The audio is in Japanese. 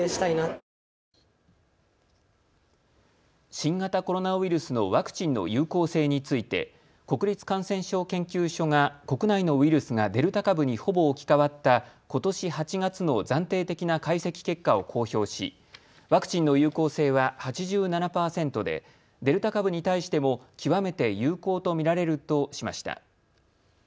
新型コロナウイルスのワクチンの有効性について国立感染症研究所が国内のウイルスがデルタ株にほぼ置き換わったことし８月の暫定的な解析結果を公表し、ワクチンの有効性は８７％でデルタ株に対しても極めて有効と見られるとしました。